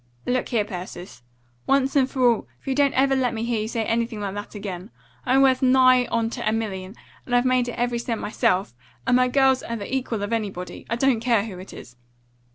"Look here, Persis! Once for all, now, don't you ever let me hear you say anything like that again! I'm worth nigh on to a million, and I've made it every cent myself; and my girls are the equals of anybody, I don't care who it is.